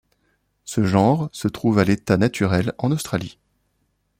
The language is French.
Ce genre se trouve à l'état naturel en Australie.